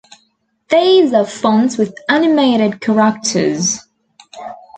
These are fonts with animated characters.